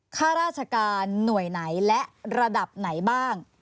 ข้าราชการหน่วยไหนและระดับไหนบ้าง